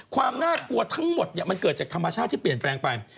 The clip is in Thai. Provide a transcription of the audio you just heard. ความน่ากลัวทั้งหมดมันเกิดจากธรรมชาติที่เปลี่ยนแปลงไป